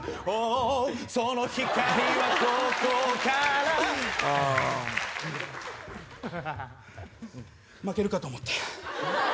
その光がここから負けるかと思った。